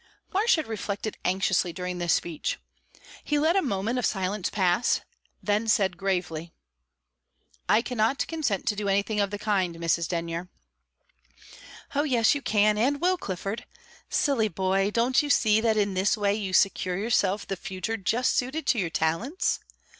Marsh had reflected anxiously during this speech. He let a moment of silence pass; then said gravely: "I cannot consent to do anything of the kind, Mrs. Denyer." "Oh yes, you can and will, Clifford. Silly boy, don't you see that in this way you secure yourself the future just suited to your talents?